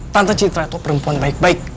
tante citra itu perempuan baik baik